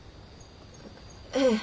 ええ。